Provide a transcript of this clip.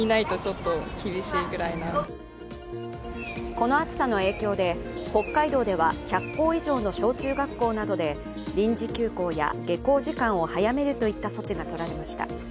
この暑さの影響で北海道では１００校以上の小中学校などで臨時休校や下校時間を早めるといった措置がとられました。